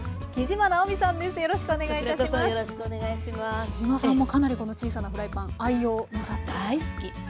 杵島さんもかなりこの小さなフライパン愛用なさってると。